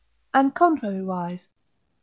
And, contrariwise (III.